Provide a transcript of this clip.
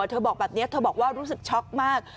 เธอบอกแบบนี้เธอบอกว่ารู้สึกช็อกมาก